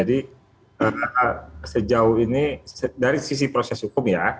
sejauh ini dari sisi proses hukum ya